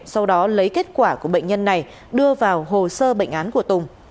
sau đó lấy kết quả của bệnh nhân này đưa vào hồ sơ bệnh án của tùng